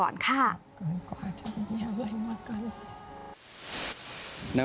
เกินกว่าจะมีอะไรมากัน